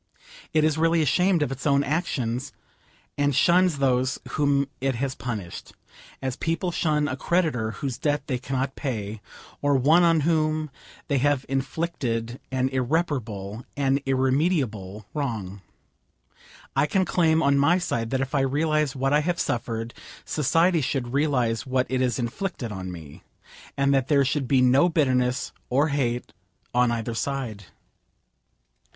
It is really ashamed of its own actions, and shuns those whom it has punished, as people shun a creditor whose debt they cannot pay, or one on whom they have inflicted an irreparable, an irremediable wrong. I can claim on my side that if I realise what I have suffered, society should realise what it has inflicted on me; and that there should be no bitterness or hate on either side.